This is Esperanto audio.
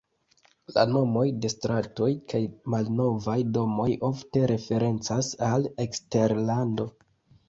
La nomoj de stratoj kaj malnovaj domoj ofte referencas al eksterlando.